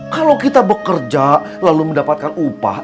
kalau kita bekerja lalu mendapatkan upah